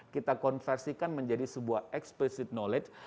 kita konversikan menjadi sebuah explicit knowledge